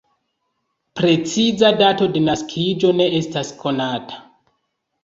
Preciza dato de naskiĝo ne estas konata.